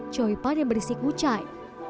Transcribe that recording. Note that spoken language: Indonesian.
choy pan yang berisi kucai